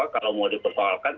kalau mau dipersoalkan